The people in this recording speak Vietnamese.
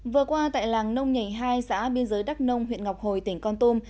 vừa qua tại làng nông nhảy hai xã biên giới đắk nông huyện ngọc hồi tỉnh con tum